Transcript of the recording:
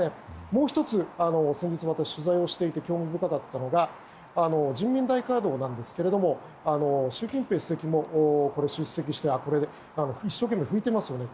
もう１つ、先日取材をしていて興味深かったのが人民大会堂なんですが習近平主席も出席したんですが一生懸命、拭いていますよね。